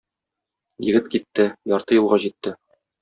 Егет китте, ярты юлга җитте.